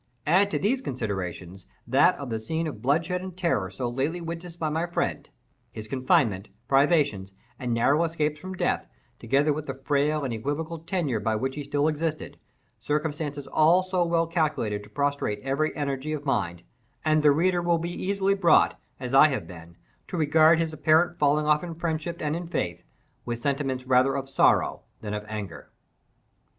Add to these considerations that of the scene of bloodshed and terror so lately witnessed by my friend; his confinement, privations, and narrow escapes from death, together with the frail and equivocal tenure by which he still existed—circumstances all so well calculated to prostrate every energy of mind—and the reader will be easily brought, as I have been, to regard his apparent falling off in friendship and in faith with sentiments rather of sorrow than of anger.